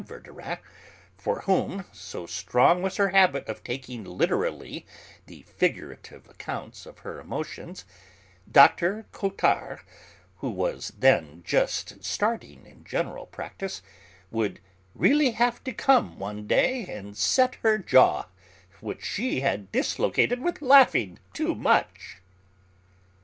Verdurin, for whom so strong was her habit of taking literally the figurative accounts of her emotions Dr. Cottard, who was then just starting in general practice, would "really have to come one day and set her jaw, which she had dislocated with laughing too much."